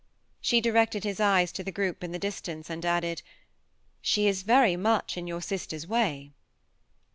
" She direct ed his ejes to the group in the distance, and added^ " She is very much in your sister's way.